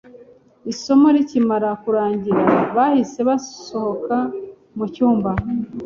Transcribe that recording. Isomo rikimara kurangira, bahise basohoka mu cyumba.